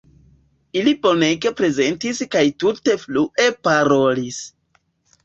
Ili bonege prezentis kaj tute flue parolis.